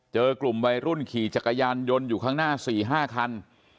เจอกลุ่มวัยรุ่นขี่จักรยานยนต์อยู่ข้างหน้า๔๕คัน